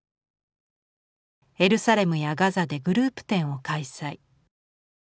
エルサレムやガザでグループ展を開催。